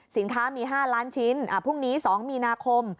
สินค้ามี๕ล้านชิ้นพรุ่งนี้๒มีนาคม